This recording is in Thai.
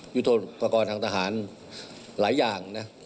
ยุทธ์ประกอบทางทหารหลายอย่าง